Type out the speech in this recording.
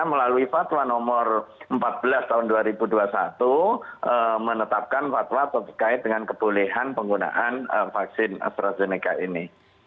melalui fatwa nomor empat belas tahun dua ribu dua puluh satu menetapkan fatwa terkait dengan kebolehan penggunaan vaksin astrazeneca ini